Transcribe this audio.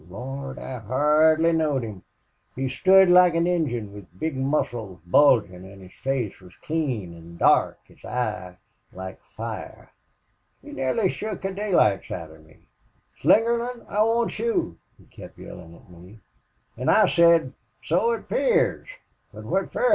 Lord! I hardly knowed him! He stood like an Injun, with the big muscles bulgin', an' his face was clean an' dark, his eye like fire.... He nearly shook the daylights out of me. 'Slingerland, I want you!' he kept yellin' at me. An' I said, 'So it 'pears, but what fer?